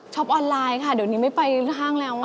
ออนไลน์ค่ะเดี๋ยวนี้ไม่ไปห้างแล้ว